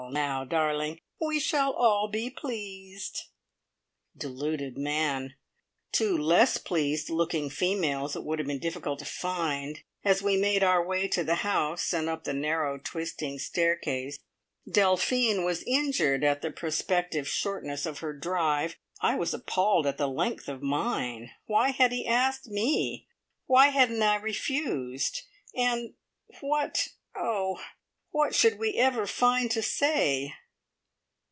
Now, darling, we shall all be pleased!" Deluded man! Two less pleased looking females it would have been difficult to find, as we made our way to the house, and up the narrow, twisting staircase. Delphine was injured at the prospective shortness of her drive; I was appalled at the length of mine. Why had he asked me? Why hadn't I refused, and what oh! what should we ever find to say?